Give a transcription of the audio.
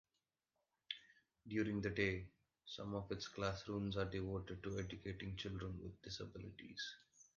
During the day, some of its classrooms are devoted to educating children with disabilities.